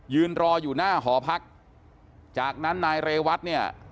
ยืนรออยู่หน้าหอพักจากนั้นนายเรวัตเนี่ย